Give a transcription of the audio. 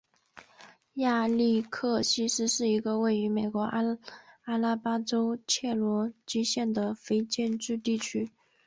亚历克西斯是一个位于美国阿拉巴马州切罗基县的非建制地区。